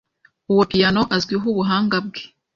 Uwo piyano azwiho ubuhanga bwe.